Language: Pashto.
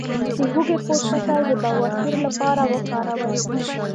د هوږې پوستکی د بواسیر لپاره وکاروئ